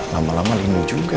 lama lama lindung juga